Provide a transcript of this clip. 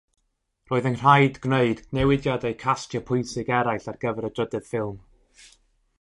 Roedd yn rhaid gwneud newidiadau castio pwysig eraill ar gyfer y drydedd ffilm.